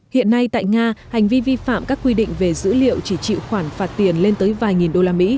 hiện nay tại nga hành vi vi phạm các quy định về dữ liệu chỉ chịu khoản phạt tiền lên tới vài nghìn usd